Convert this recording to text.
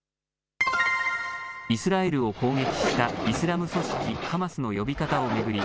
イスラエルを攻撃したイスラム組織ハマスの呼び方を巡り